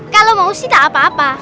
kalau mau sih tak apa apa